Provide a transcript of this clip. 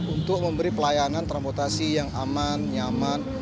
untuk memberi pelayanan transportasi yang aman nyaman